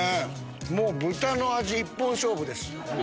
もう豚の味一本勝負です。